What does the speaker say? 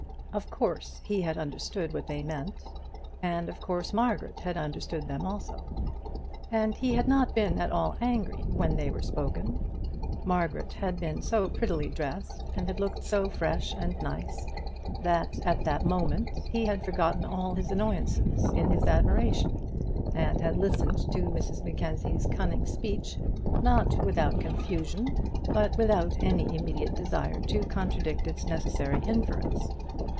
Of course he had understood what they meant, and of course Margaret had understood them also. And he had not been at all angry when they were spoken. Margaret had been so prettily dressed, and had looked so fresh and nice, that at that moment he had forgotten all his annoyances in his admiration, and had listened to Mrs Mackenzie's cunning speech, not without confusion, but without any immediate desire to contradict its necessary inference.